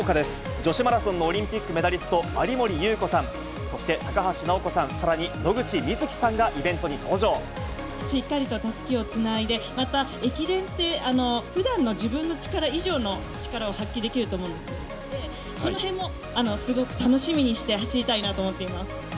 女子マラソンのオリンピックメダリスト、有森裕子さん、そして高橋尚子さん、さらに野口みずきさんがイベしっかりとたすきをつないで、また駅伝って、ふだんの自分の力以上の力を発揮できると思うので、そのへんもすごく楽しみにして走りたいなと思っています。